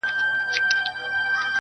دلته جنګونه کیږي،